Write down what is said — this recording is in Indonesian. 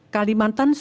kalimantan riau iv